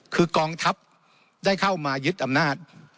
คือกองทัพได้เข้ามายึดอำนาจ